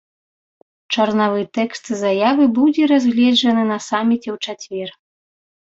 Чарнавы тэкст заявы будзе разгледжаны на саміце ў чацвер.